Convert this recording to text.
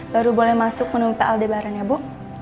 baru boleh masuk menunggu pak aldebaran ya bu